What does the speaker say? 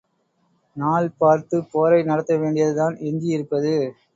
நாள் பார்த்துப் போரை நடத்த வேண்டியது தான் எஞ்சி இருப்பது.